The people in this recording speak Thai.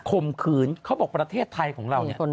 คมขืนเขาบอกประเทศไทยแล้วเนีย